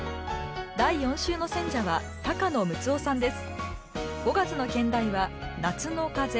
第４週の選者は高野ムツオさんです。